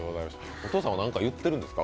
お父さんは何か言ってるんですか？